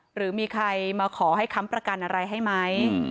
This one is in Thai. หรือมีใครมาขอให้ค้ำประกันอะไรให้ไหม